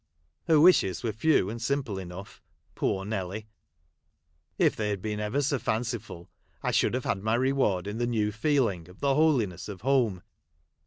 Her wishes were few and simple enough, poor Nelly ! If 'they had been ever so fanciful, I should haA'e had my reAvard in the new feeling of the holiness of home.